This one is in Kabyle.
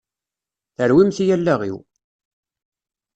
Terwim-iyi allaɣ-iw!